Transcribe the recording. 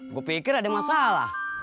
gua pikir ada masalah